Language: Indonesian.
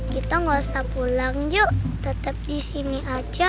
kita gak usah pulang yuk tetep di sini aja